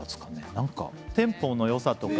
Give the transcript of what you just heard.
何かテンポのよさとか。